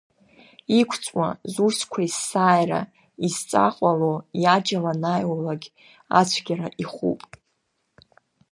Иқәҵуа, зусқәа есааира изҵаҟәало, иаџьал анааиуагь ацәгьара ихуп.